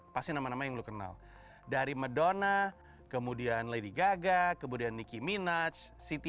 pasti nama nama yang lu kenal dari medona kemudian lady gaga kemudian nicki minaj siti